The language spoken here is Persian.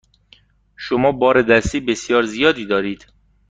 شما بار دستی بسیار زیادی دارید.